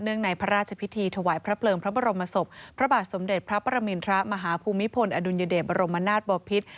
เนื่องในพระราชภิทธิถวายพระเปลิงพระบรมศพพระบาทสมเด็จพระปรามิณฑระมหาภูมิพลอดุลยเดชบบรมนาตบบพิษฯ